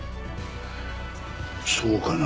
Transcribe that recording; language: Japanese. そうかな？